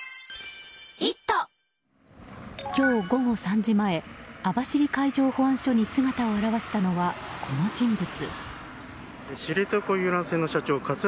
今日午後３時前網走海上保安署に姿を現したのは、この人物。